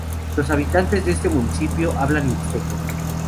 Los habitantes de este municipio hablan mixteco.